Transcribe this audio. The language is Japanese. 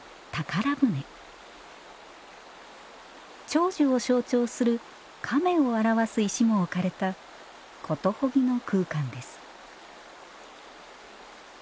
長寿を象徴する亀を表す石も置かれたことほぎの空間です